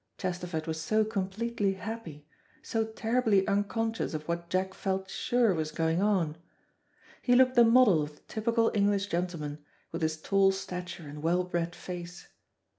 Chesterford was so completely happy, so terribly unconscious of what Jack felt sure was going on. He looked the model of the typical English gentleman, with his tall stature and well bred face.